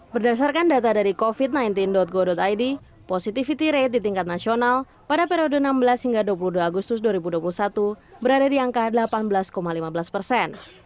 berdasarkan data dari covid sembilan belas go id positivity rate di tingkat nasional pada periode enam belas hingga dua puluh dua agustus dua ribu dua puluh satu berada di angka delapan belas lima belas persen